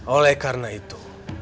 oleh karena itu